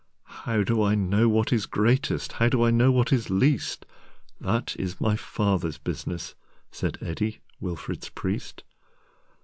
"How do I know what is greatest, How do I know what is least? That is My Father's business,"Said Eddi, Wilfrid's priest.